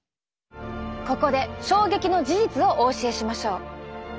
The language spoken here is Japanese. ここで衝撃の事実をお教えしましょう。